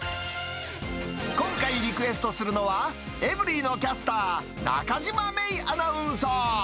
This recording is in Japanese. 今回リクエストするのは、エブリィのキャスター、中島芽生アナウンサー。